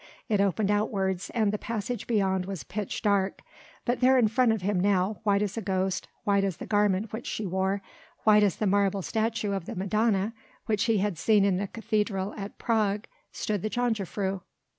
It opened outwards, and the passage beyond was pitch dark, but there in front of him now, white as a ghost, white as the garment which she wore, white as the marble statue of the Madonna which he had seen in the cathedral at Prague, stood the jongejuffrouw.